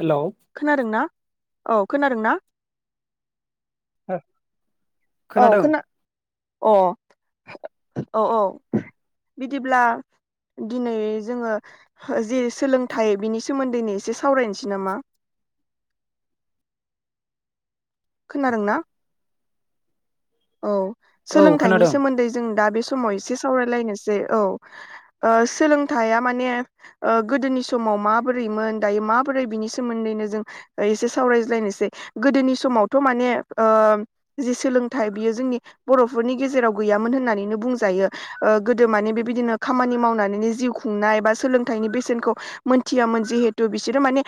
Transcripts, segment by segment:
Hello खोनादों ना? औ खोनादों ना। हो औ खोना अ औ औ बिदिब्ला दिनै जोङो जे सोलोंथाइ बिनि सोमोन्दैनो एसे सावरायनोसै नामा? खोनादों ना? औ औ सोलोंथाइनि खोनादों सोमोन्दै जों दा बे समाव एसे सावरायलायनोसै औ सोलोंथाइया माने गोदोनि समाव माबोरैमोन दायो माबोरै बिनि सोमोन्दैनो जों एसे सावरायायनोसै गोदोनि समावथ' माने ओ सों बियो जोंनि बर'फोरनि गेजेराव गैयामोन होननानैनो बुंजायो ओ गोदो माने बेबायदिनो खामानि मावनानैनो जिउ खुंनाय बा सोलोंथाइनि बेसेनखौ मोनथियामोन जिहेथु बिसोरो माने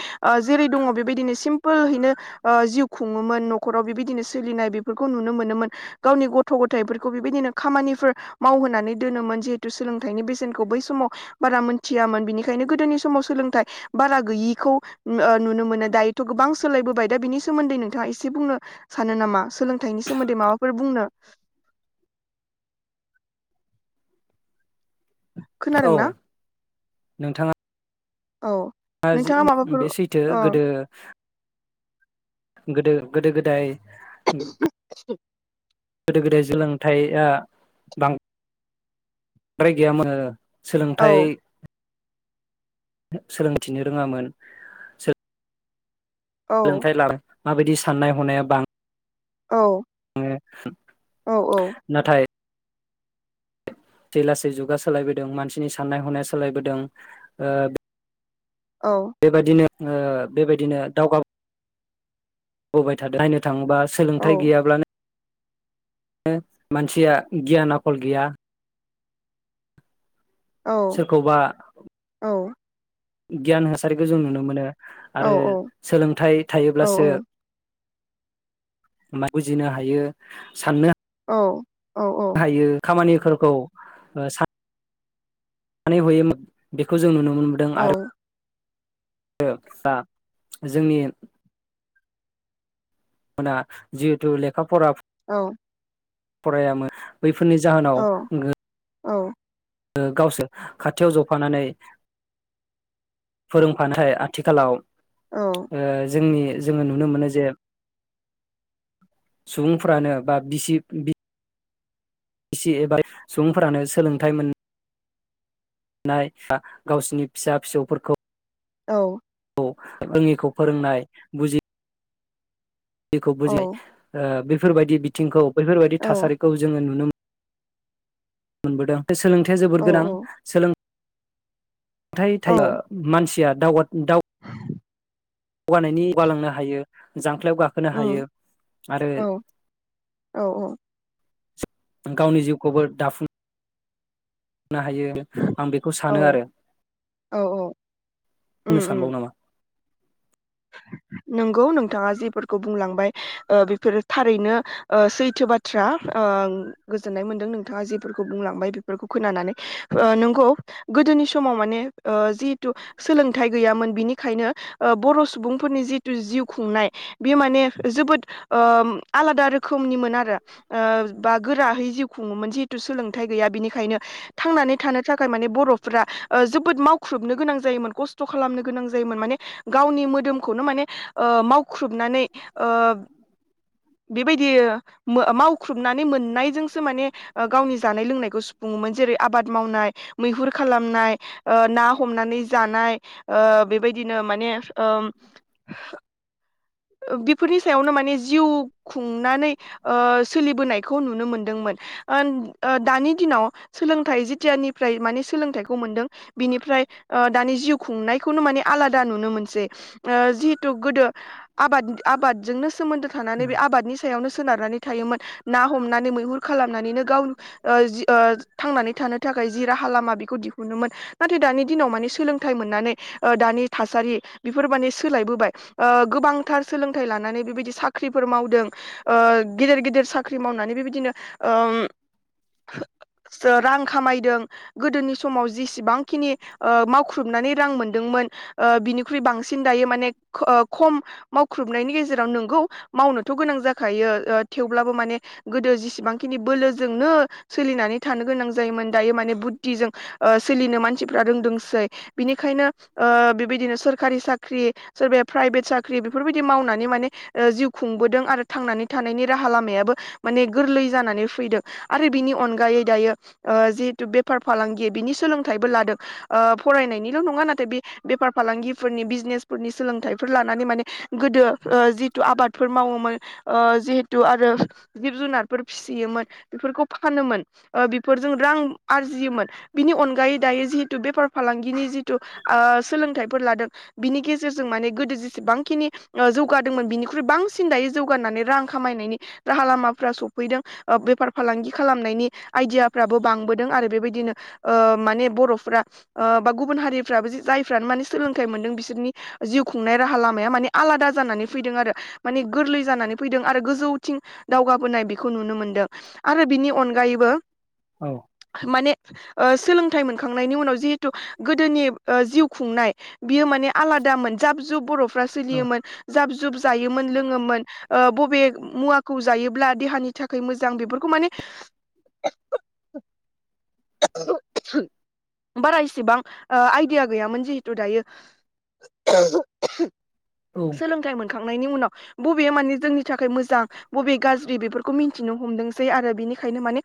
जेरै दङ बेबायदिनो सिमपोलहैनो ओ जिउ खुङोमोन न'खराव बेबायदिनो सोलिनाय बेफोरखौ नुनो मोन गावनि गथ' गफोरखौ बेबायदिनो खामानिफोर मावहोनानै दोनोमोन जिहेथु सोलोंथाइनि बेसेनखौ बै समाव बारा मोनथियामोन बिनिखायनो गोदोनि समाव सोलोंथाइ बारा गैयिखौ ओ नुनो मोनो दायोथ' गोबां सोलायबोबाय दा बिनि सोमोन्दै नोंथाङा एसे बुंनो सानो नामा सोलोंथाइनि सोमोन्दै माबाफोर बुंनो- औ खोनादों ना? नोंथाङा औ नोंथाङा माबाफोर बे सैथो ओ गोदो। गोदो गोदो गोदाय [unintelligible] गोदो गोदाय सोलोंथाइया बांद्राय गैयामोन। सोलोंथाइ औ सोलोंथिनो रोङामोन औ सोलोंथायाइ लानो माबायदि साननाय हनाया बां औ [unintelligible] औ औ जै लासै जुगा सोलायबोदों मानसिनि साननाय हनाय सोलायबोदों। औ बेबायदिनो ओ बेबायदिनो दावगाब बाय थादों ना थांबा सोलोंथाइ औ गैयाब्लानो- मानसिया गियान आखल गैया। औ सोरखौबा औ गियान हासारिखौ जों नुनो मोनो आरो सोलोंथाइ औ थायोब्लासो मा बुजिनो हायो साननो औ औ औ हायो खामानि फोरखौ सानानै [unintelligible] मोन बेखौ जों जों नुनो मोनदों आरो दा जोंनि माना जिहेथु लेखा फरा औ फरायामोन बैफोरनि जाहोनाव गो औ गावसोर खाथियाव जफानानै फोरोंफानोहाय आथिखालाव ओ जोंनि जोङो नुनो मोनो जे सुबुंफ्रानो बा बिसि सि एबा सुबुंफोरानो सोलोंथाइ मोननाय [inaudible] गावसिनि फिसा फिसौफोरखौ औ रोङिखौ फोरोंनाय बुजि खौ [inaudible] बुजिनाय ओ बेफोर बेफोरबायदि बिथिंखौ बैफोरबायदि औ थासारिखौ जोङो नुनो मोनो मोनबोदों सोलोंथाइया जोबोर औ गोनां औ सोलों हाथाय औ थायो मानसिया दावगा दाव जौगानायनि [inaudible] गालांनो [inaudible] हायो जा दख्लायाव गाखोनो उम हायो आरो औ औ गावनि जिउखौबो दाफुं नो हायो आं बेखौ औ सानो आरो [inaudible] औ बुंनो उम उम सानबाव नामा नंगौ नोंथाङा जिेफोरखौ बुंलांबाय ओ बेफोरो थारैनो ओ सैथो बाथ्रा ओ गोजोननाय मोनदों नोंथाङा जिेफोरखौ बुंलांबाय बेफोरखौ खोनानानै ओ नंगौ गोदोनि समाव माने ओ जिहेथु सोलोंथाइ गैयामोन बिनिखायनो ओ बर' सुबुं सुबुंफोरनि जितु जिउ खुंनाय बेयो माने जोबोद ओ आलादा रोखोमनिमोन आरो ओ बा गोरायै जिउ खुङोमोन जिहेथु सोलोंथाइ गैया बिनिखायनो थांनानै थानो थाखाय माने बर'फ्रा ओ जोबोद मावख्रुबनो गोनां जायोमोन खस्थ' खालामनो गोनां जायोमोन माने गावनि मो मोदोमखौनो माने ओ मावख्रुबनानै ओ बेबायदि मावख्रुबनानै मोननायजोंसो माने ओ गावनि जानाय लोंनायखौ सुफुङोमोन जेरै आबाद मावनाय मैहुर खालामनाय ओ ना हमनानै जानाय ओ बेबायदिनो माने ओ ओ बेफोरनि सायावनो माने जिउ खुंनानै ओ सोलिबोनायखौ नुनो मोनदोंमोन ओ ओ दानि दिनाव सोलोंथाइ जिथियानिफ्राय माने सोलोंथाइखौ मोनदों बिनिफ्राय ओ दानि जिउ खुंनायखौनो माने आलादा नुनो मोनसै ओ जिहेतु गोदो आबाद आबादजोंनो सोमोन्दो थानानै बे आबादनि नो सोनारनानै थायोमोन ना हमनानै मैहुर खालामनानैनो गाव जि ओ ओ थांनानै थानो थाखाय जि राहा लामा बेखौ दिहुनो नाथाय दानि दिनाव मान सोलोंथ मोननानै ओ दानि थासारिफोर माने सोलायबोबाय ओ गोबांथार सोलोंथाइ लानानै बेबायदि साख्रिफोर मावदों ओ गिदिर गिदिर साख्रि मावनानै बेबायदिनो ओ रां खामायदों गोदोनि समाव जिसेबांखिनि ओ मावख्रुबनानै रां मोनदोंमोन ओ बिनिख्रुइ बांसिन दायो माने ओ खम मावख्रुबनायनि गेजेराव नोंगौ मावनोथ' गोनां जाखायो ओ थेवब्लाबो माने गोदो जेसेबांखिनि बोलोजोंनो सोलिनानै थानो गोनां जायोमोन दायो माने बुद्धिजों ओ सोलिनो मानसिफ्रा रोंदोंसै बिनिखायनो बे बायदिनो ओ सरखारि साख्रि साख्रि सोरबाया प्राइभेट साख्रि बेफोरबायाददि मावनानै माने ओ जिउ खुंबोदों आरो थांनानै थानायनि राहा लामायाबो माने गोरलै जानानै फैदों आरो बिनि अनगायै दायो ओ जिहेथु बेफार फालांगि बिनि सोलोंथाइबो लादों ओ फरायनायनिल' नङा नाथाय बे बेफार फालांगिफोरनि बिजनेस। फोरनि सोलोंथाइफोर लानानै माने गोदो ओ जिथु आबादफोर मावोमोन ओ जिहेथु आरो जिब जुनारफोर फिसियोमोन बेफोरखौ फानोमोन ओ बेफोरजों रां आरजियोमोन बिनि अनगायै दायो जिहेथु बेफार फालांगिनि जिथु ओ सोलोंथाइफोर लादों। बिनि गेजेरजों माने गोदो जेसेबांखिनि ओ जौगादोंमोन बिनिख्रुइ बांसिन दायै जौगानानै रां खामायनायनि राहा लामाफ्रा सफैदों ओ बेफार फालांगि खालामनायनि आइडियाफ्राबो बांबोदों आरो बे बायदिनो ओ माने बर'फोरा बा ओ गुबुन हारिफ्राबो जायफ्रानो माने सोलोंथाइ मोनदों बिस बिसोरनि जिउ खुंनाय राहा लामाया माने आलादा जानानै फैदों आरो माने गोरलै जानानै फैदों आरो गोजौथिं दावगाबोनाय बेखौ नुनो मोनदों आरो बिनि अनगायैबो औ माने ओ सोलोंथाइ मोनखांनायनि उनाव जिहेथु गोदोनि ओ जिउ खुंनाय बियो माने आलादामोन जाब जुब बर'फो फोरा सोलियोमोन जाब जुब जायो। मोनलोङोमोन ओ बबे मुवाखौ जायोब्ला देहानि थाखाय मोजां बेफोरखौ माने बारा इसेबां ओ आइडिया गैयामोन जिहेथु दायो। औ सोलोंथाइ मोनखांनायनि उनाव बबे माने जोंनि थाखाय मोजां बबे गाज्रि बेफोरखौ मिन्थिनो हमदोंसै आरो बेनिखायनो माने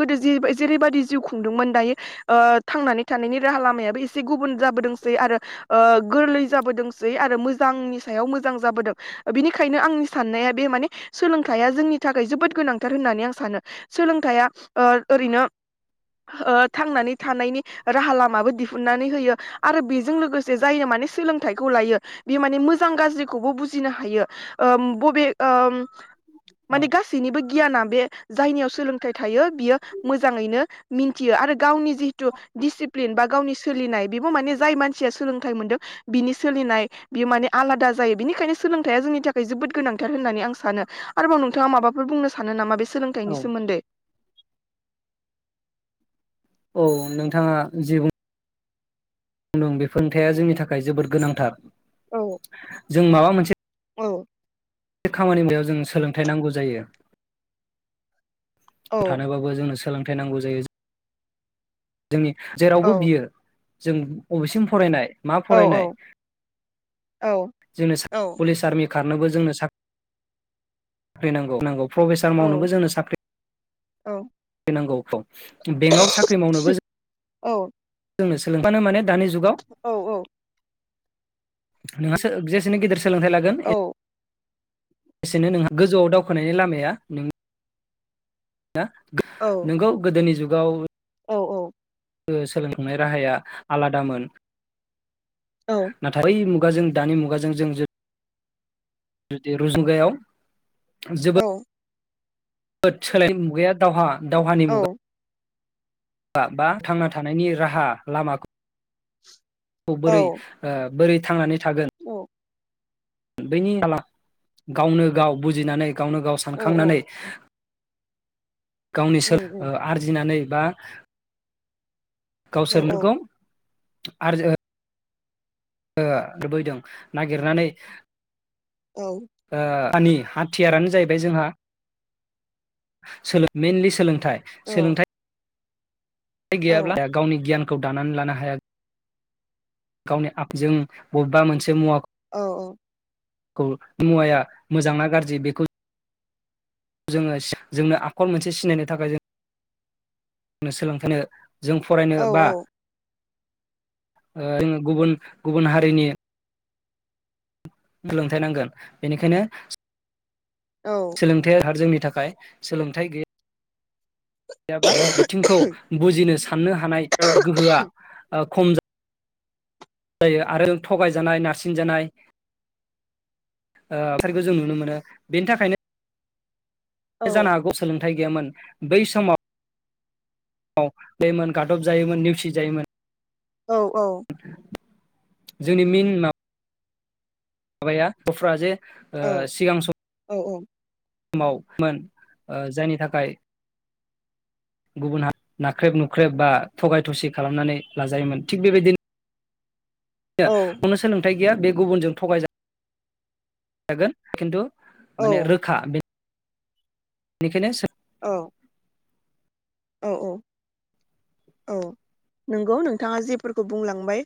गोदो जि जेरै बायदि जिउ खुंदोंमोन दायो ओ थांनानै थानायनि राहा लामायाबो एसे गुबुन जाबोदोंसै आरो ओ गोरलै जाबोदोंसै आरो मोजांनि सायाव मोजां जाबोदों ओ बिनिखायनो आंनि साननाया बे माने सोलोंथाइया जोंनि थाखाय जोबोद गोनांथार होननानै आं सानो सोलोंथाइया ओ ओरैनो ओ थांनानै थानायनि राहा लामाबो दिहुननानै होयो आरो बेजों लोगोसे जायनो माने सोलोंथाइखौ लायो बे माने मोजां गाज्रिखौबो बुजिनो हायो ओम बबे ओम माने गासैनिबो गियाना बे जायनियाव सोलोंथाइ थायो बियो मोजाङैनो मिन्थियो आरो गावनि जिहेथु डिसिप्लिन बा गावनि सोलिनाय बेबो माने जाय मानसिया सोलोंथाइ मोनदों बिनि सोलिनाय बियो माने आलादा जायो बिनिखायनो सोलोंथाया जोंनि थाखाय जोबोद गोनांथार होननानै आं सानो आरोबाव नोंथाङा माबाफोर बुंनो सानो नामा बे औ सोलोंथाइनि सोमोन्दै औ नोंथाङा जे बुं [unintelligible] थाया जोंनि था खाय जोबोद गोनांथार औ जों माबा मोनसे औ [unintelligible] जों सोलोंथाइ नांगौ जायो। औ थानोबाबो जोंनो सोलों थाय नांगौ जायो। जोंनि जेरावबो औ बियो जों अबेसिम फरायनाय मा औ फरायनाय औ औ जोंनो औ सा पुलिस, आर्मि खारनोबो जोंनो सा ख्रि नंगौ नंगौ। प्रफेसार औ मावनोबो जोंनो साख्रि औ नांगौ [unintelligible] बेंआव साख्रि मावनोबो औ जो [inaudible] औ औ नोंहासो जेसेनो गेदेरस सोलोंथाइ लागोन ए एसेनो नोंहा गोजौआव दावखोनायनि लामाया नों ना औ नोंगौ गोदोनि जुग गाव औ ओ सोलोंखांनाय राहाया आलादामोन नाथाय बै मु गाजों दानि मुगाजों जोंजो जुदि रुजु गायाव जोबोर सोलायनाय मुगाया दावहा दावहानि मुगा बा थांना थानायनि राहा लामाखौ बोरै ओ बोरै थांनानै थागोन बैनि जाला गावनो गाव बुजिनानै गावनो गाव सानखांनानै गावनि सोर आरजिनानै बा गावसोरनोगौ आरो लुबैदों नागिरनानै ओ नि हाथियारानो जाहैबाय जोंहा मेनलि सोलों थाइ सोलोंथाय गैयाब्ला गावनि गियानखौ खौ दानानै लानो हाया गावनि आजों बबेबा मोनसे मुवाखौ औ औ मुवाया मोजांना गाज्रि बेखौ जोङो जोंनो आखल मोनसे सिनायनो थाखाय जों सोलोंफानो जों औ फरायनो बा ओ जों गुबुन गुबुन हारिनि सोलोंथाइ नांगोन बेनिखायनो सोलोंथाया जोंनि थाखाय थाखाय सोलोंथाइ गैया गैयाब्ला बिथिंखौ बुजिनो साननो हानाय गोहोआ खम जा जायो आरो थगायजानाय नारसिन जानाय ओ हासारिखौ जों नुनो मोनो बेनि थाखायनो जानो हागौ सोलों थाइ गैयामोन बै समाव दैमोन गादब जायोमोन नेवसि जायोमोन औ औ जोंनि मिन माबा माबाया बर'फ्राजे ओ सिगां सम समाव मोन ओ जायनि थाखाय गुबुन हारि नाख्रेब नुख्रेब बा थगाय थसि खालामनानै लाजायोमोन थिग बेबायदिनो नो नुनो सोलोंथाइ गैया बे गुबुनजों थगाय गोन खिन्थु माने रोखा बे बेनिखायनो सो औ औ औ औ नंगौ नोंथाङा जेफोरखौ बुंलांबाय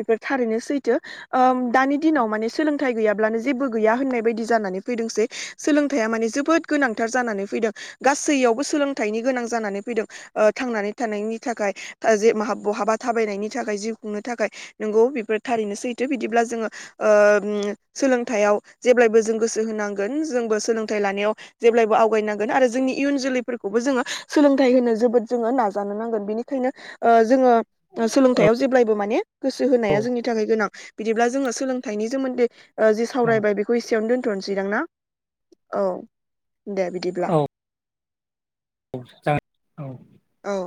बेफोर थारैनो सैथो ओ दानि दिनाव माने सोलोंथाइ गैयाब्लानो जेबो गैया होननाय बायदि जानानै फैदोंसै सोलोंथाइया माने जोबोद गोनांथार जानानै फैदों गासैयावबो सोलोंथाइनि गोनां जानानै फैदों थांनानै थानायनि थाखाय जे माहा बहाबा थाबायनायनि थाखाय जिउ खुंनो थाखाय नोंगौ बेफोर थारैनो सैथो बिदिब्ला जोङो ओ उम सोलोंथयाव जेब्लायबो जों गोसो होनांगोन जोंबो सोलोंथाइ लानायाव जेब्लायबो आवगायनांगोन आरो जोंनि इयुन जोलैफोरखौबो जोङो सोलों थाय होनो जोबोद जोङो नाजानो नांगोन बिनिखायनो ओ जोङो ओ औ सोलोंथायाव जेब्लायबो माने गोसो होनाया औ जोंनि थाखाय गोनां बिदिब्ला जोङो सोलोंथाइनि सोमोन्दै जि सावरायबाय बेखौ एसेयावनो दोन थनोसै दां ना औ दे बिदिब्ला औ औ जागोन औ औ